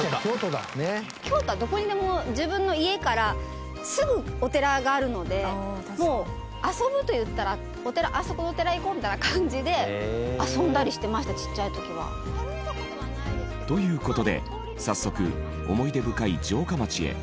京都はどこにでも自分の家からすぐお寺があるのでもう遊ぶといったらお寺「あそこのお寺行こう」みたいな感じで遊んだりしてましたちっちゃい時は。という事で早速思い出深い城下町へ。